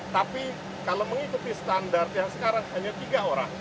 tapi kalau mengikuti standar yang sekarang hanya tiga orang